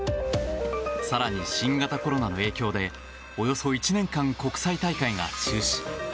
更に新型コロナの影響でおよそ１年間、国際大会が中止。